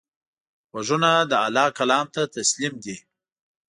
غوږونه د الله کلام ته تسلیم دي